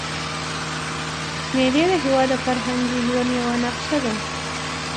مېلې د هېواد د فرهنګي ژوند یوه نخښه ده.